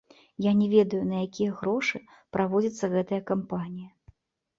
Я не ведаю, на якія грошы праводзіцца гэтая кампанія.